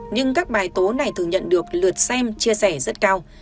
nhưng các bài tố này thường nhận được lượt xem chia sẻ rất cao